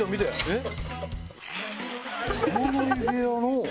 えっ？